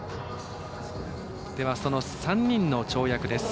では、その３人の跳躍です。